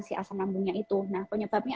si asam lambungnya itu nah penyebabnya